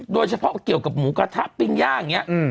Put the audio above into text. โดยเฉพาะเกี่ยวกับหมูกระทะปิ้งย่างอย่างนี้